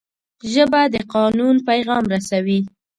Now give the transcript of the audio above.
ژبه د قانون پیغام رسوي